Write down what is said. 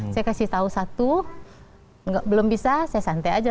saya kasih tahu satu belum bisa saya santai aja